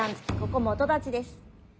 ここ基立ちです。